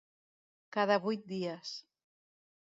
Cada vuit dies.